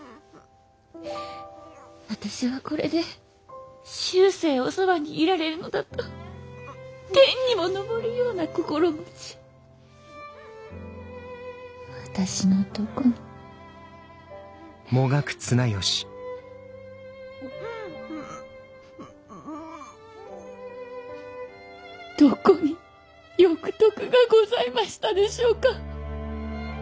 私はこれで終生おそばにいられるのだと天にも昇るような心もち私のどこにどこに欲得がございましたでしょうか！